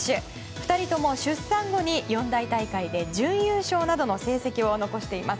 ２人とも出産後に四大大会で、準優勝などの成績を残しています。